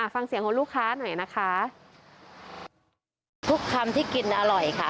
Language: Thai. ฟังเสียงของลูกค้าหน่อยนะคะทุกคำที่กินอร่อยค่ะ